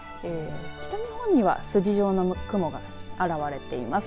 北日本には筋状の雲が現れています。